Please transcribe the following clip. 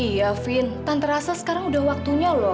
iya fien tante rasa sekarang udah waktunya loh